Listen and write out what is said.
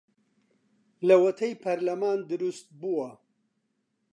لەوەتەی پەرلەمان دروست بووە